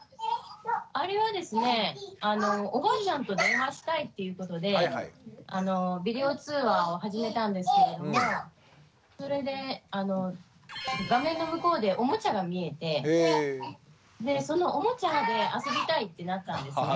あれはですねおばあちゃんと電話したいっていうことでビデオ通話を始めたんですけれどもそれで画面の向こうでおもちゃが見えてそのおもちゃで遊びたいってなったんですね。